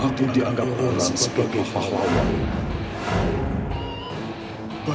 aku dianggap orang sebagai pahlawan